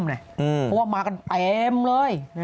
เพราะว่ามากันเต็มเลย